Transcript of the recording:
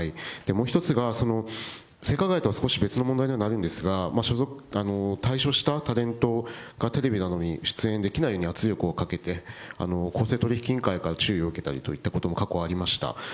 もう一つが、性加害とは少し別の問題にはなると思うんですが、退所したタレントがテレビなどに出演できないように圧力をかけて、公正取引委員会から注意を受けたりといったことが過去ありました。